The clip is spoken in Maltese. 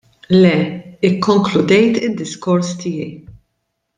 Le, ikkonkludejt id-diskors tiegħi.